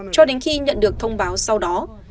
cho đến khi nhận được thông báo sau đó